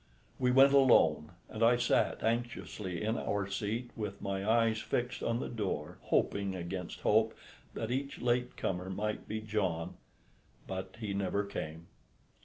We went alone, and I sat anxiously in our seat with my eyes fixed on the door, hoping against hope that each late comer might be John, but he never came.